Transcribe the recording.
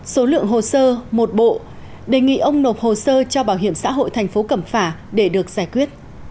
số lượng hồ sơ một bộ đề nghị ông nộp hồ sơ cho bảo hiểm xã hội thành phố cẩm phả để được giải quyết